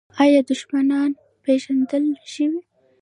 آیا دښمنان پیژندل شوي؟